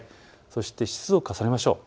そして湿度を重ねましょう。